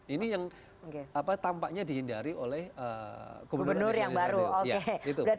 ini yang tampaknya dihindari oleh gubernur yang baru